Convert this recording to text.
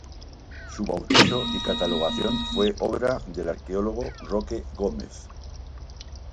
Su bautizo y catalogación fue obra del arqueólogo Roque Gómez.